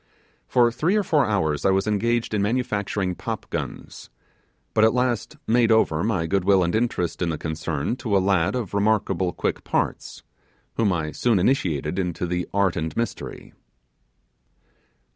For three or four hours I was engaged in manufacturing pop guns, but at last made over my good will and interest in the concern to a lad of remarkably quick parts, whom I soon initiated into the art and mystery.